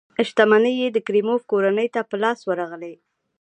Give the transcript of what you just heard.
شتمنۍ یې د کریموف کورنۍ ته په لاس ورغلې.